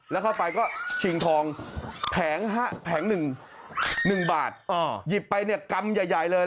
แล้วเข้าไปก็ชิงทองแผง๑บาทหยิบไปเนี่ยกำใหญ่เลย